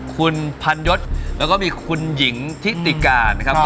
คุณพันยศแล้วก็มีคุณหญิงทิติกานะครับ